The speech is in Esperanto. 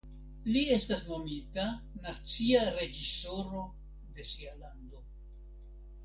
Li estas nomita nacia reĝisoro de sia lando.